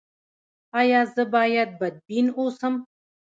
ایا زه باید بدبین اوسم؟